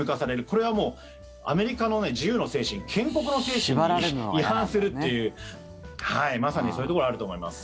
これはもうアメリカの自由の精神、建国の精神に違反するというまさにそういうところにあると思います。